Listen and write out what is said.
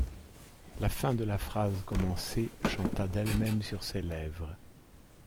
La fin de la phrase commencée chanta d’elle-même sur ses lèvres.